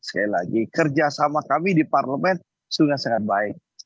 sekali lagi kerjasama kami di parlemen sudah sangat baik